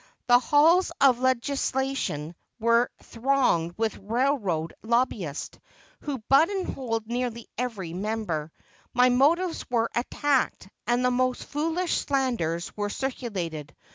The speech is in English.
The halls of legislation were thronged with railroad lobbyists, who button holed nearly every member. My motives were attacked, and the most foolish slanders were circulated.